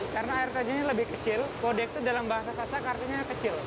karena air terjunnya lebih kecil kode itu dalam bahasa sasak artinya kecil